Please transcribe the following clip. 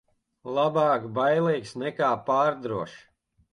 Labāk bailīgs nekā pārdrošs.